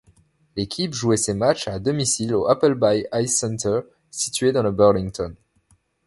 L'équipe jouait ses matchs à domicile au Appleby Ice Center situé dans Burlington.